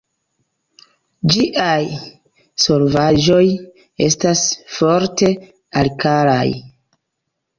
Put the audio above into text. Ĝiaj solvaĵoj estas forte alkalaj.